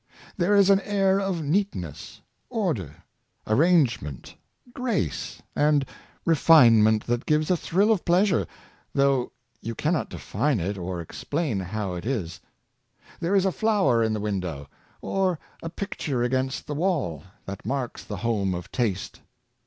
There is an air of neatness, order, arrangement, grace, and refinement that gives a thrill of pleasure, though you can not define it or explain how it is. There is a flower in the window, or a picture against the wall, that marks the home of taste.